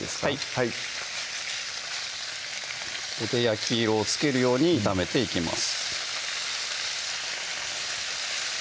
はいここで焼き色をつけるように炒めていきます